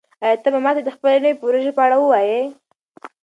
آیا ته به ماته د خپلې نوې پروژې په اړه ووایې؟